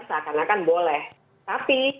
seakan akan boleh tapi